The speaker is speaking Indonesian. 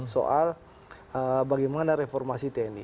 soal bagaimana reformasi tni